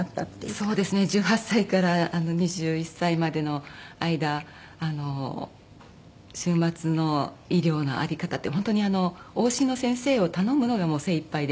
そうですね１８歳から２１歳までの間終末の医療の在り方って本当に往診の先生を頼むのがもう精いっぱいで。